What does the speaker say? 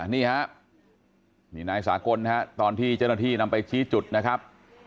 นี่ฮะนี่นายสากลตอนที่เจ้าหน้าที่นำไปชี้จุดนะครับ